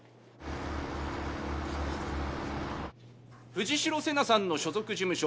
藤代瀬那さんの所属事務所